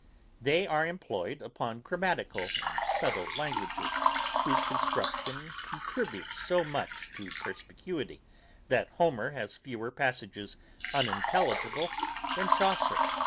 They are employed upon grammatical and settled languages, whose construction contributes so much to perspicuity, that Homer has fewer passages unintelligible than Chaucer.